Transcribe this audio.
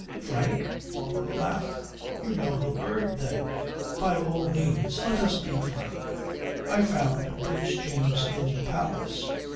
"Frank?" Marlborough laughed. "You know the word, then? By all means let us be frank. I found Prince James in the palace.